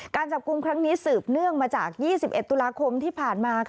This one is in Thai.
การจับกลุ่มครั้งนี้สืบเนื่องมาจาก๒๑ตุลาคมที่ผ่านมา